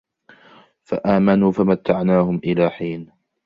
فَآمَنُوا فَمَتَّعْنَاهُمْ إِلَى حِينٍ